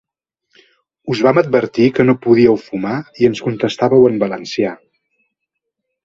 Us vam advertir que no podíeu fumar i ens contestàveu en valencià.